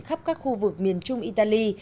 khắp các khu vực miền trung italy